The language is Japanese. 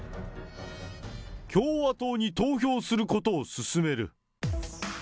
共和党に投票することを勧める。